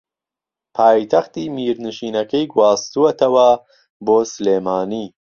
پایتەختی میرنشینەکەی گواستووەتەوە بۆ سلێمانی